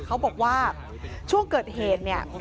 เขาบอกว่าช่วงเกิดเหตุเนี่ย